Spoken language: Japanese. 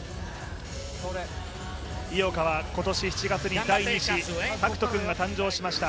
井岡は今年７月に第２子大空翔君が誕生しました。